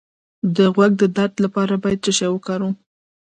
د غوږ د درد لپاره باید څه شی وکاروم؟